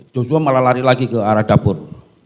joshua malah lari lagi ke arah dapur